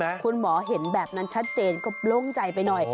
คุณหมอเห็นแบบนั้นชัดเจนก็โล่งใจไปหน่อย